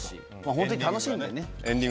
ホントに楽しいんでね。